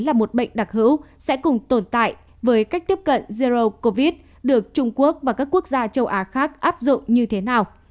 các bệnh đặc hữu sẽ cùng tồn tại với cách tiếp cận zero covid được trung quốc và các quốc gia châu á khác áp dụng như thế nào